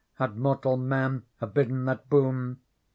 Had mortal man abidden that boon.